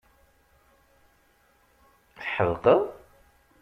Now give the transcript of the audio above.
Tḥedqeḍ?